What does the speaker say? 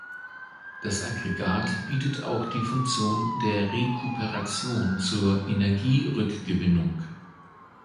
Das Aggregat bietet auch die Funktion der Rekuperation zur Energierückgewinnung.